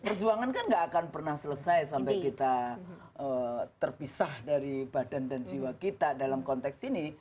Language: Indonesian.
perjuangan kan gak akan pernah selesai sampai kita terpisah dari badan dan jiwa kita dalam konteks ini